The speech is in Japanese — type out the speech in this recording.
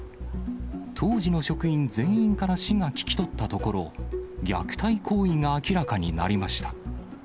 当時の職員全員から市が聞き取ったところ、虐待行為が明らかになりました。